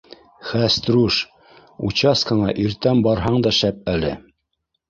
— Хәстрүш, участкаңа иртән барһаң да шәп әле